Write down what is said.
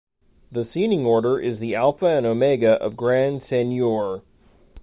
The seating order is the Alpha and Omega of Grand Seigneur.